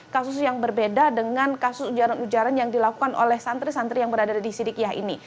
kasus yang berbeda dengan kasus ujaran ujaran yang dilakukan oleh santri santri yang berada di sidikiyah ini